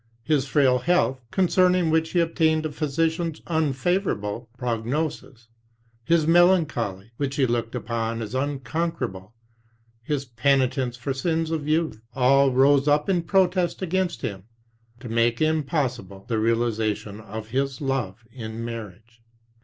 His frail health, concerning which he obtained a physician's unfavorable prognosis; his melancholy, which he looked upon as unconquerable ; his penitence for sins of youth — all rose up in protest against him to make impossible the reali zation of his love in marriage.